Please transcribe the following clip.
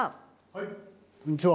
はいこんにちは。